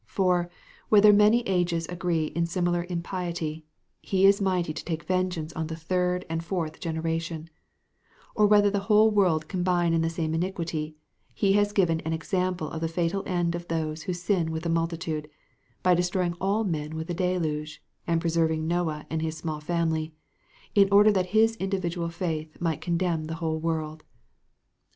For, whether many ages agree in similar impiety, he is mighty to take vengeance on the third and fourth generation; or whether the whole world combine in the same iniquity, he has given an example of the fatal end of those who sin with a multitude, by destroying all men with a deluge, and preserving Noah and his small family, in order that his individual faith might condemn the whole world.